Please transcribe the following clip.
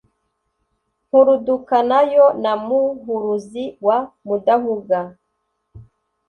Mpurudukana yo na Muhuruzi wa Mudahuga